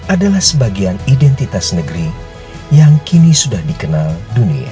adalah sebagian identitas negeri yang kini sudah dikenal dunia